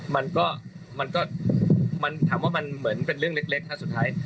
มันก็มันก็มันถามว่ามันเหมือนเป็นเรื่องเล็กฮะสุดท้าย